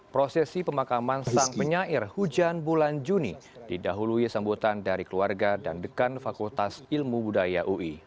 prosesi pemakaman sang penyair hujan bulan juni didahului sambutan dari keluarga dan dekan fakultas ilmu budaya ui